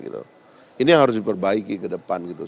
ini yang harus diperbaiki ke depan gitu